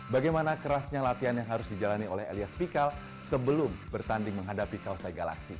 bagaimana kerasnya latihan yang harus dijalani oleh elias pikal sebelum bertanding menghadapi kawasan galaksi